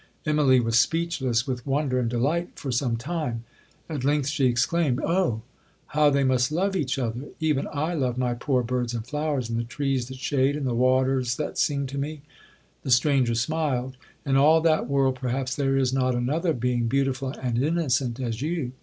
Immalee was speechless with wonder and delight for some time; at length she exclaimed, 'Oh, how they must love each other! even I love my poor birds and flowers, and the trees that shade, and the waters that sing to me!' The stranger smiled. 'In all that world, perhaps there is not another being beautiful and innocent as you.